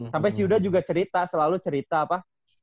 sampai si yuda juga cerita selalu cerita apa